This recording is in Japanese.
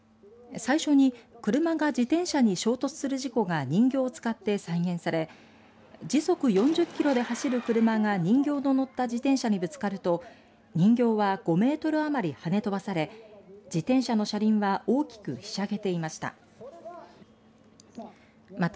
最初に、車が自転車に衝突する事故が人形を使って再現され時速４０キロで走る車が人形の乗った自転車にぶつかると人形は５メートル余り跳ね飛ばされ自転車の車輪は大きくひしゃげていました。